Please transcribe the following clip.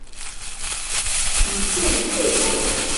余舰溃逃。